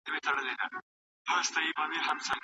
خپل کلتوري ارزښتونه مه هېروئ.